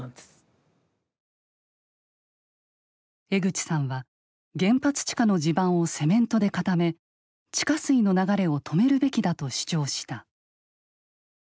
江口さんは原発地下の地盤をセメントで固め地下水の流れを止めるべきだと主張した。